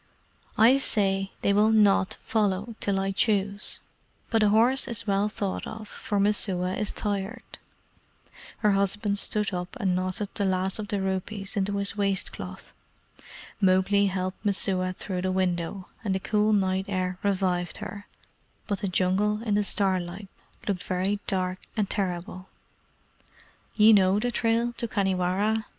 "I say they will NOT follow till I choose; but a horse is well thought of, for Messua is tired." Her husband stood up and knotted the last of the rupees into his waist cloth. Mowgli helped Messua through the window, and the cool night air revived her, but the Jungle in the starlight looked very dark and terrible. "Ye know the trail to Khanhiwara?"